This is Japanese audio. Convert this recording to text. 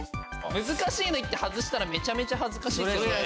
難しいの行って外したらめちゃめちゃ恥ずかしいですよね。